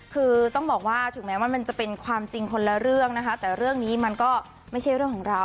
คือต้องบอกว่าถึงแม้ว่ามันจะเป็นความจริงคนละเรื่องนะคะแต่เรื่องนี้มันก็ไม่ใช่เรื่องของเรา